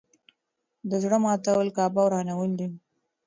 د زړه ماتول کعبه ورانول دي.